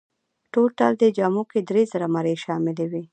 ټولټال دې جامو کې درې زره مرۍ شاملې وې.